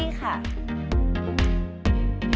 หมายเลข๑๕แรงใดที่จะไว้แรก